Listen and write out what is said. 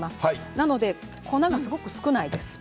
なので粉がすごく少ないです。